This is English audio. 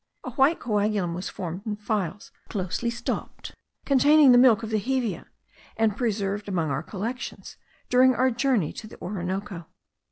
A white coagulum was formed in phials closely stopped, containing the milk of the hevea, and preserved among our collections, during our journey to the Orinoco.